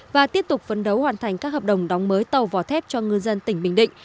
và tiếp tục phấn đấu hoàn thành các hợp đồng đóng mới tàu vỏ thép cho ngư dân tỉnh bình định